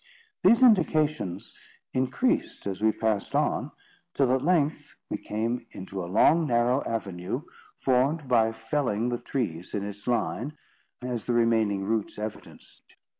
These indications increased as we passed on, till, at length, we came into a long, narrow avenue, formed by felling the trees in its line, as the remaining roots evidenced.